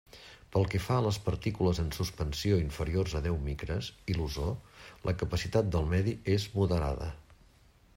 Pel que fa a les partícules en suspensió inferiors a deu micres i l'ozó, la capacitat del medi és moderada.